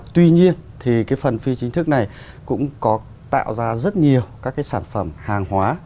tuy nhiên thì phần phi chính thức này cũng có tạo ra rất nhiều các sản phẩm hàng hóa